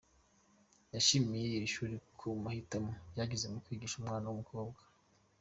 Yashimiye iri shuri ku mahitamo ryagize yo kwigisha umwana w’Umukobwa.